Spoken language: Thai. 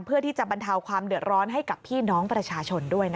เพื่อที่จะบรรเทาความเดือดร้อนให้กับพี่น้องประชาชนด้วยนะคะ